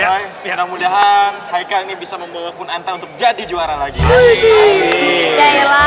ya ya mudah mudahan hai kami bisa membawa punan untuk jadi juara lagi